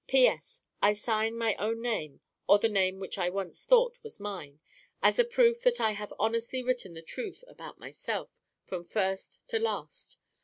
"P.S. I sign my own name (or the name which I once thought was mine) as a proof that I have honestly written the truth about myself, from first to last.